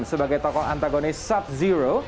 sebagai tokoh antagonis sub zero